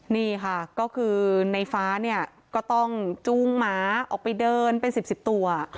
นี่ค่ะก็คือในฟ้าเนี่ยก็ต้องจูงหมาออกไปเดินเป็น๑๐ตัว